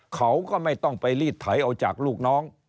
เขาก็ไม่ต้องไปรีดไถเอาจากลูกน้อง